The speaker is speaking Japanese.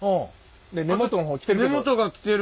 根元の方来てるけど。